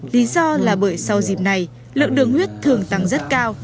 lý do là bởi sau dịp này lượng đường huyết thường tăng rất cao